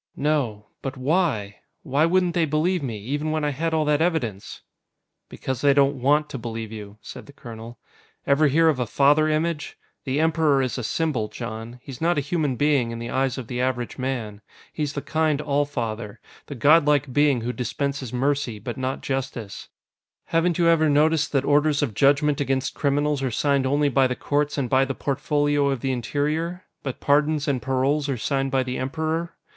"No. But why? Why wouldn't they believe me, even when I had all that evidence?" "Because they don't want to believe you," said the colonel. "Ever hear of a father image? The Emperor is a symbol, Jon. He's not a human being in the eyes of the average man. He's the kind All Father, the godlike being who dispenses mercy, but not justice. "Haven't you ever noticed that orders of judgment against criminals are signed only by the courts and by the Portfolio of the Interior? But pardons and paroles are signed by the Emperor.